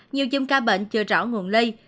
nhiều chùm ca bệnh chưa rõ nguồn lây